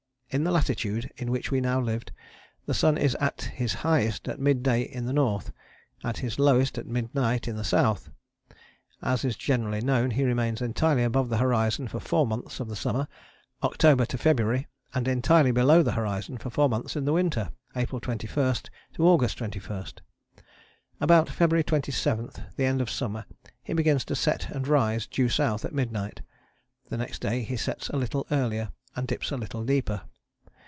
In the latitude in which we now lived the sun is at his highest at mid day in the north, at his lowest at midnight in the south. As is generally known he remains entirely above the horizon for four months of the summer (October February) and entirely below the horizon for four months in the winter (April 21 August 21). About February 27, the end of summer, he begins to set and rise due south at midnight; the next day he sets a little earlier and dips a little deeper.